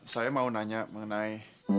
saya mau nanya mengenai